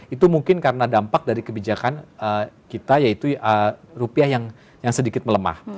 itu mungkin karena dampak dari kebijakan kita yaitu rupiah yang sedikit melemah